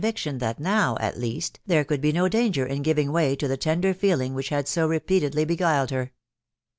457 viction that now, at least, there could be no danger in giving way to the tender feeling which had so repeatedly beguiled her.